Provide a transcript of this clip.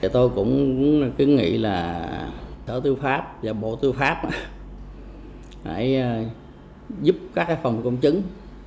tôi cũng nghĩ là sở tư pháp và bộ tư pháp phải giúp các phòng công chứng